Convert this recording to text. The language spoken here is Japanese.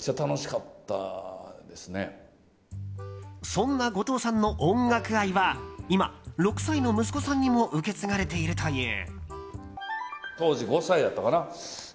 そんな後藤さんの音楽愛は今６歳の息子さんにも受け継がれているという。